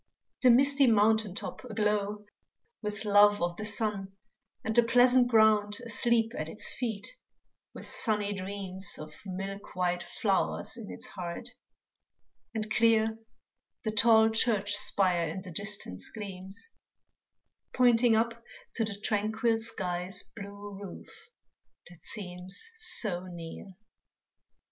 The misty mountain top aglow With love of the sun, and the pleasant ground Asleep at its feet, with sunny dreams Of milk white flowers in its heart, and clear The tall church spire in the distance gleams Pointing up to the tranquil sky's Blue roof that seems so near.